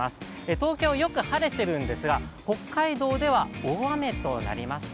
東京、よく晴れているんですが北海道では大雨となりました。